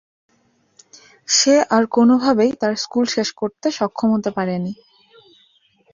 সে আর কোন ভাবেই তাঁর স্কুল শেষ করতে সক্ষম হতে পারেনি।